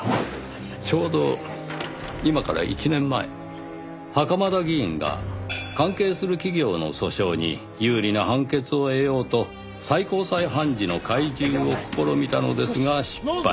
ちょうど今から１年前袴田議員が関係する企業の訴訟に有利な判決を得ようと最高裁判事の懐柔を試みたのですが失敗。